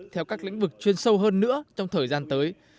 theo các lĩnh vực chuyên sâu hơn nữa trong thời gian tới